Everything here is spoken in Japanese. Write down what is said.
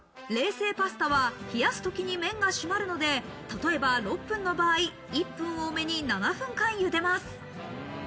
冷製パスタは冷やすときに麺が締まるので、例えば６分の場合、１分多めに７分間、茹でます。